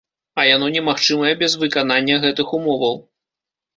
А яно немагчымае без выканання гэтых умоваў.